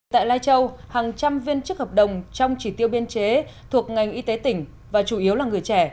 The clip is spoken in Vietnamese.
tại lai châu hàng trăm viên chức hợp đồng trong chỉ tiêu biên chế thuộc ngành y tế tỉnh và chủ yếu là người trẻ